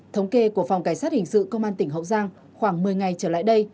thống kê của phòng cảnh sát hình sự công an tỉnh hậu giang khoảng một mươi ngày trở lại đây